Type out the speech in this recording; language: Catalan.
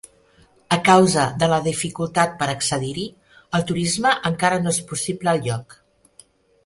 A causa de la dificultat per accedir-hi, el turisme encara no és possible al lloc.